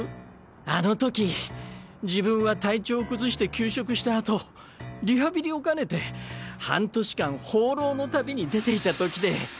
あの時自分は体調を崩して休職した後リハビリを兼ねて半年間放浪の旅に出ていた時で。